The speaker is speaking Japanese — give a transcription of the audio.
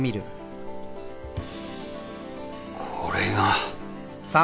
これが。